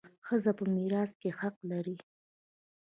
ښځه په میراث کي حق لري.